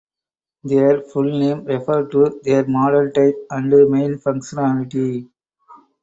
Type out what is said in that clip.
Their full name refers to their model type and main functionality.